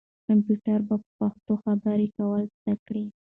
کمپیوټر به په پښتو خبرې کول زده کړي.